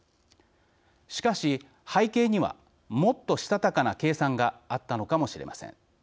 しかし背景にはもっと、したたかな計算があったのかもしれません。